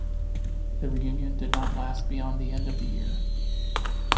The reunion did not last beyond the end of the year.